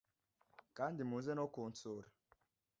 Kandi muze no kunsura